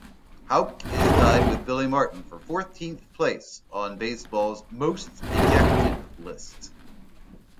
Houk is tied with Billy Martin for fourteenth place on baseball's "most ejected" list.